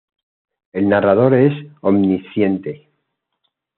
El narrador es omnisciente.